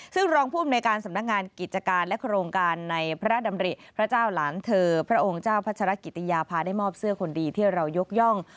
ซึ่งรองผู้อำนวยการสำนักงานกิจการและโครงการในพระดำริพระเจ้าหลานเธอพระองค์เจ้าพัชรกิติยาภาได้มอบเสื้อคนดีที่เรายกย่อง